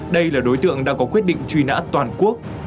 đây là đối tượng đã có quyết định truy nã toàn quốc